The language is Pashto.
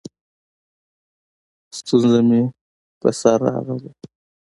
ستونزه مې په سر راغلې؛